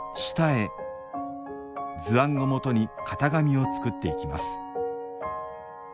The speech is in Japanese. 図案を元に型紙を作っていきます